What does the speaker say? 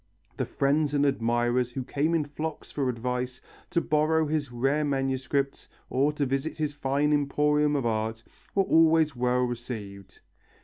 The friends and admirers who came in flocks for advice, to borrow his rare manuscripts, or to visit his fine emporium of art, were always well received.